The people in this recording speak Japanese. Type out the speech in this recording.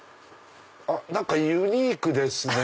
何かユニークですね。